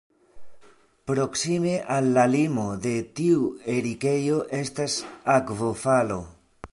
Proksime al la limo de tiu erikejo estas akvofalo.